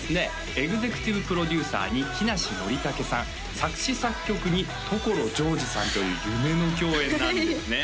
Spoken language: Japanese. エグゼクティブ・プロデューサーに木梨憲武さん作詞作曲に所ジョージさんという夢の共演なんですね